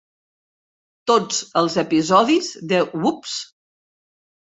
Tots els episodis de "Woops!"